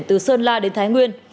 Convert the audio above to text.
từ sơn la đến thái nguyên